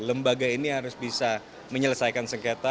lembaga ini harus bisa menyelesaikan sengketa